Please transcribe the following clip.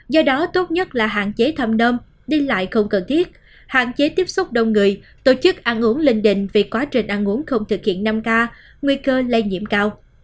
do đó tốt nhất là hạn chế thăm nơm đi lại không cần thiết hạn chế tiếp xúc đông người tổ chức ăn uống linh định vì quá trình ăn uống không thực hiện năm k nguy cơ lây nhiễm cao